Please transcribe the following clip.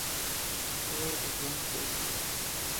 • ته د ژونده خوږ حقیقت یې.